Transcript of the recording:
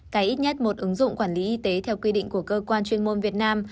cài ít nhất một ứng dụng quản lý y tế theo quy định của cơ quan chuyên môn việt nam